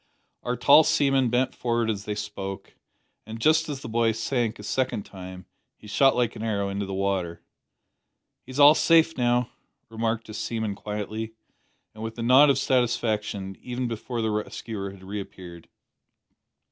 Our tall seaman bent forward as they spoke, and, just as the boy sank a second time, he shot like an arrow into the water. "He's all safe now," remarked a seaman quietly, and with a nod of satisfaction, even before the rescuer had reappeared.